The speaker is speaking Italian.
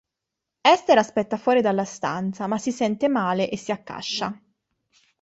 Ester aspetta fuori dalla stanza ma si sente male e si accascia.